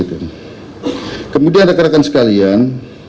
kemudian rekan rekan sekalian